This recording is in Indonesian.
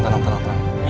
tenang tenang tenang